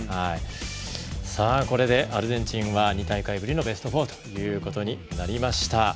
さあ、これでアルゼンチンは２大会ぶりのベスト４ということになりました。